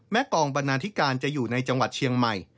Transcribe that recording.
กองบรรณาธิการจะอยู่ในจังหวัดเชียงใหม่